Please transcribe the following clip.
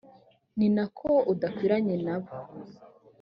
ni na ko udakwiranyenabo